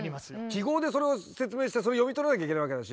記号でそれを説明してそれ読み取らなきゃいけないわけだし。